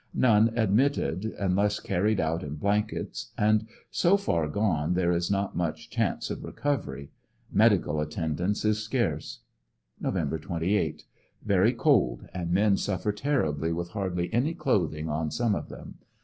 None admitted unless carried out in blankets and so far gone there 14 ANDEESONYILLE DTAR Y. is not much chance of recovery. Medical attendance is scarce. Nov 28. — Very cold and men suffer terribly with hardly any clothing on some of them.